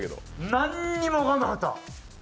なんにも分かんなかった。